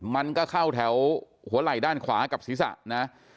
มันก็เข้าแถวหัวไหล่ด้านขวากับศีรษะนะ